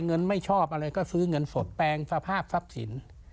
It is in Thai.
ไม่ชอบอะไรก็ซื้อเงินสดแปลงสภาพทรัพย์สิน